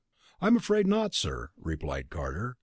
"I'm afraid not, sir," replied Carter.